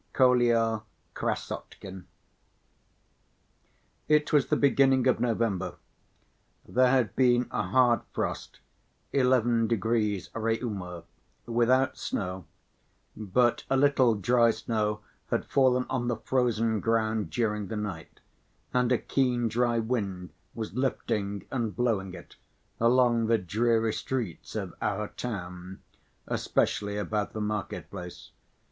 Kolya Krassotkin It was the beginning of November. There had been a hard frost, eleven degrees Réaumur, without snow, but a little dry snow had fallen on the frozen ground during the night, and a keen dry wind was lifting and blowing it along the dreary streets of our town, especially about the market‐place.